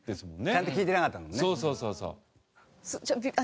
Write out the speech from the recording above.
ちゃんと聞いてなかったんだもんね。